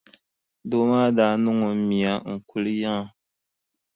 Doo maa daa niŋ o mia n-kuli yiŋa.